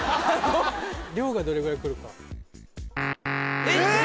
量がどれぐらいくるかえっ！？